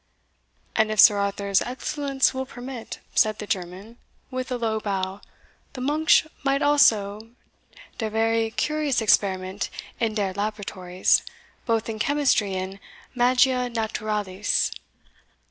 "And if Sir Arthur's excellence will permit," said the German, with a low bow, "the monksh might also make de vary curious experiment in deir laboraties, both in chemistry and magia naturalis."